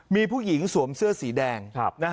มีผู้หญิงสวมเสื้อสีแดง